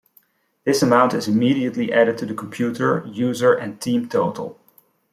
This amount is immediately added to the computer, user, and team total.